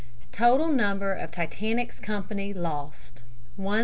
Total number of Titanic's company lost, 1635.